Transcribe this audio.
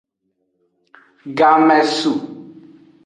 Game su.